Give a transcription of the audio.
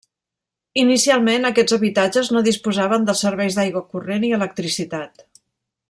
Inicialment aquests habitatges no disposaven dels serveis d'aigua corrent i electricitat.